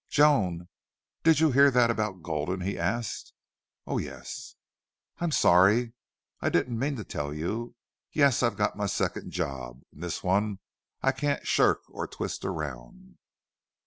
"Joan, did you hear that about Gulden?" he asked. "Oh yes." "I'm sorry. I didn't mean to tell you. Yes, I've got my second job. And this one I can't shirk or twist around."